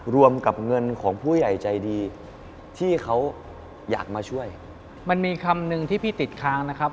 รวมกับเงินของผู้ใหญ่ใจดีที่เขาอยากมาช่วยมันมีคำหนึ่งที่พี่ติดค้างนะครับ